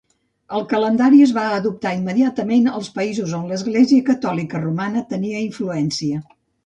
El calendari es va adoptar immediatament als països on l'Església Catòlica Romana tenia influència.